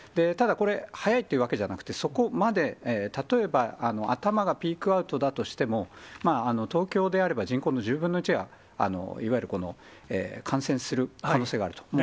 ただこれ、早いっていうわけではなくて、そこまで、例えば頭がピークアウトだとしても、東京であれば、人口の１０分の１がいわゆる感染する可能性があると。